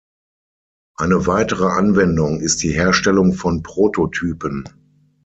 Eine weitere Anwendung ist die Herstellung von Prototypen.